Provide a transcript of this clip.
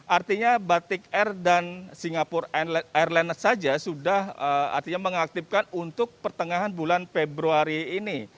artinya batik air dan singapura airliness saja sudah artinya mengaktifkan untuk pertengahan bulan februari ini